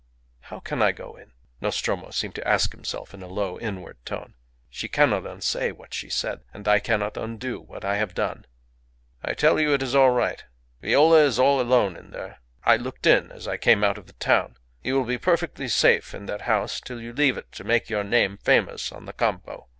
"How can I go in?" Nostromo seemed to ask himself in a low, inward tone. "She cannot unsay what she said, and I cannot undo what I have done." "I tell you it is all right. Viola is all alone in there. I looked in as I came out of the town. You will be perfectly safe in that house till you leave it to make your name famous on the Campo.